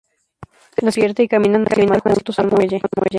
La ciudad despierta y caminan hacia el mar juntos al muelle.